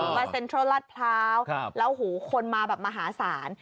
มาเซ็นทรัลลาดพร้าวแล้วหูคนมาแบบมหาศาล